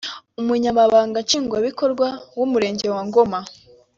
umunyamabanga nshingwabikorwa w’umurenge wa Ngoma